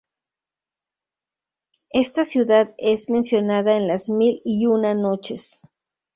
Esta ciudad es mencionada en "Las mil y una noches".